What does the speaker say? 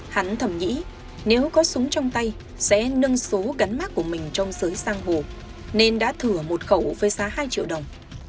hắn thầm nghĩ nếu có súng trong tay sẽ nâng số gắn mắt của mình trong sới sang hồ nên đã thử một khẩu với giá hai triệu đồng